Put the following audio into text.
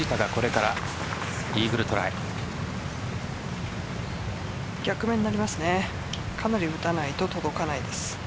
かなり打たないと届かないです。